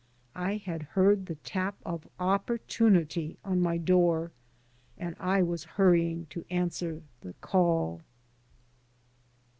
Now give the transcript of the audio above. I had heard the tap of Opportunity on my door, and I was hurrying to answer the call.